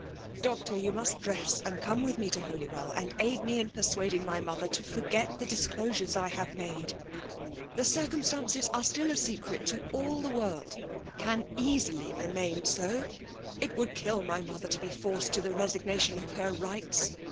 Doctor, yon must dress and cone with me to Holywell, and aid me in peiaid ing my mother to forget the disclosares I hs^ made« The circumstances are still a secret to all the world, — can easily remain so> It would kill my mother to be forced to Ae resignation of her rights.